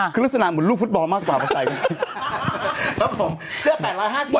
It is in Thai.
คือลักษณะเหมือนลูกฟุตบอลมากกว่าเพราะใส่ไหม